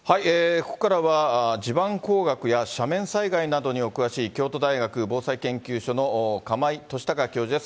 ここからは、地盤工学や斜面災害などにお詳しい、京都大学防災研究所の釜井俊孝教授です。